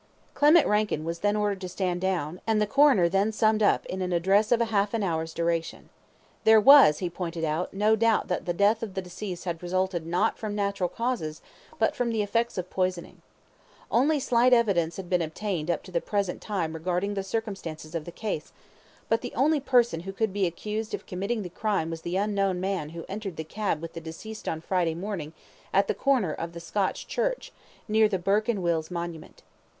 Clement Rankin was then ordered to stand down, and the Coroner then summed up in an address of half an hour's duration. There was, he pointed out, no doubt that the death of the deceased had resulted not from natural causes, but from the effects of poisoning. Only slight evidence had been obtained up to the present time regarding the circumstances of the case, but the only person who could be accused of committing the crime was the unknown man who entered the cab with the deceased on Friday morning at the corner of the Scotch Church, near the Burke and Wills' monument.